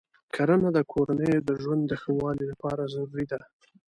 کرنه د کورنیو د ژوند د ښه والي لپاره ضروري ده.